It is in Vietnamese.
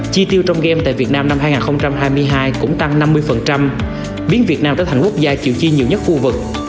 chi tiêu trong game tại việt nam năm hai nghìn hai mươi hai cũng tăng năm mươi biến việt nam trở thành quốc gia chịu chi nhiều nhất khu vực